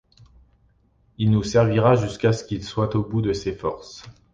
Il nous servira jusqu’à ce qu’il soit au bout de ses forces.